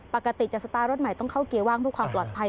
ปกติจะสตาร์ทรถใหม่ต้องเข้าเกียร์ว่างเพื่อความปลอดภัย